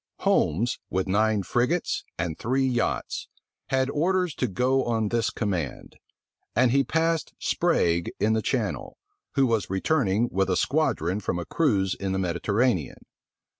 Holmes, with nine frigates and three yachts, had orders to go on this command; and he passed Sprague in the Channel, who was returning with a squadron from a cruize in the Mediterranean.